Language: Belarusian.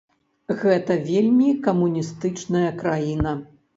Гэта вельмі камуністычная краіна.